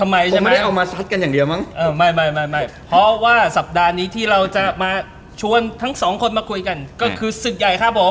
ไม่เพราะว่าสัปดาห์ที่เราจะมาชวนทั้งสองคนมาคุยกันก็คือสุดใหญ่ครับผม